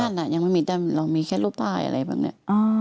หลักฐานอ่ะยังไม่มีแต่เรามีแค่รูปภัยอะไรบ้างเนี่ย